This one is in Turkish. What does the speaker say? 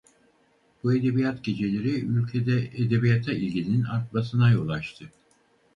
Bu edebiyat geceleri ülkede edebiyata ilginin artmasına yol açtı.